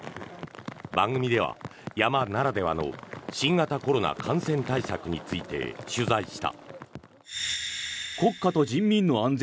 番組では山ならではの新型コロナ感染対策について取材した。